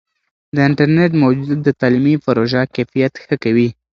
د انټرنیټ موجودیت د تعلیمي پروژو کیفیت ښه کوي.